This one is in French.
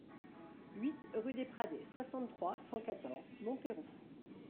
huit rue des Pradets, soixante-trois, cent quatorze, Montpeyroux